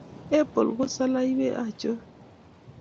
Apple ko saleiwe anchon.